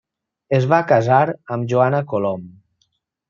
Es va casar amb Joana Colom.